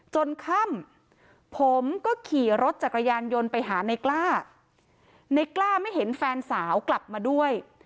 ค่ำผมก็ขี่รถจักรยานยนต์ไปหาในกล้าในกล้าไม่เห็นแฟนสาวกลับมาด้วย